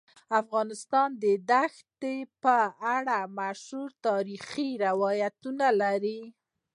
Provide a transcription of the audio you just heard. افغانستان د دښتې په اړه مشهور تاریخی روایتونه لري.